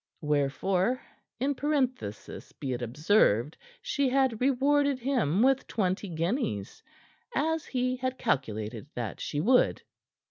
(Wherefore, in parenthesis be it observed, she had rewarded him with twenty guineas, as he had calculated that she would.)